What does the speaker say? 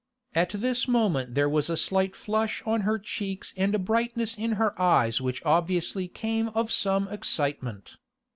At this moment there was a slight flush on her cheeks and a brightness in her eyes which obviously came of some excitement.